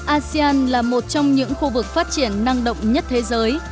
asean là một trong những khu vực phát triển năng động nhất thế giới